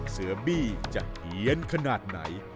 เสือบี้จะเฮียนขนาดไหน